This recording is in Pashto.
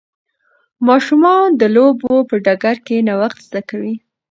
ماشومان د لوبو په ډګر کې نوښت زده کوي.